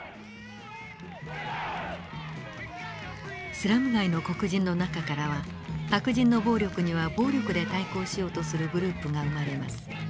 スラム街の黒人の中からは白人の暴力には暴力で対抗しようとするグループが生まれます。